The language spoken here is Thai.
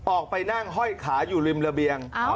ออกไปนั่งห้อยขาอยู่ริมระเบียง